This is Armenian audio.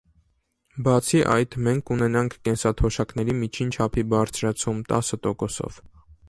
Բացի այդ, մենք կունենանք կենսաթոշակների միջին չափի բարձրացում տասը տոկոսով: